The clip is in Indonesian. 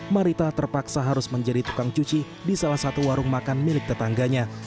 marita terpaksa harus menjadi tukang cuci di salah satu warung makan milik tetangganya